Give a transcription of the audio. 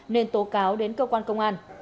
nên tố cáo đến cơ quan công an